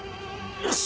よし！